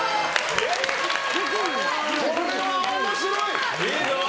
これは面白い！